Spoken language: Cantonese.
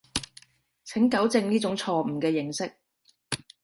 請糾正呢種錯誤嘅認識